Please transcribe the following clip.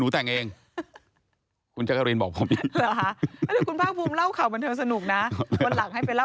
ก็คุณจักรีนผู้ศึกหาบรรเทิงของไทยรัฐ